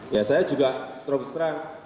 ya saya juga terlalu serang